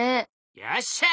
よっしゃ！